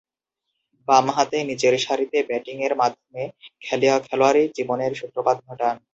বামহাতে নিচেরসারিতে ব্যাটিংয়ের মাধ্যমে খেলোয়াড়ী জীবনের সূত্রপাত ঘটান।